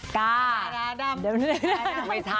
กาดำ